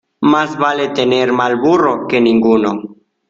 Más vale tener mal burro que ninguno.